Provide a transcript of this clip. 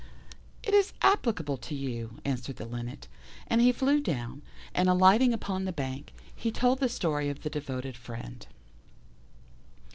"It is applicable to you," answered the Linnet; and he flew down, and alighting upon the bank, he told the story of The Devoted Friend.